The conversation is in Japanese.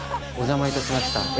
お邪魔致しました。